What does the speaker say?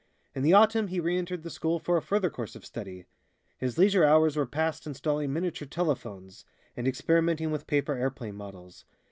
In the autumn he re entered the school for a further course of study. His leisure hours were passed installing miniature telephones, and experimenting with paper airplane models.